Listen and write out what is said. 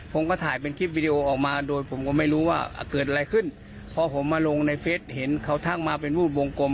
ผมก็ถ่ายเป็นคลิปวิดีโอออกมาโดยผมก็ไม่รู้ว่าเกิดอะไรขึ้นพอผมมาลงในเฟสเห็นเขาทักมาเป็นรูปวงกลม